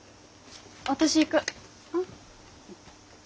私行く。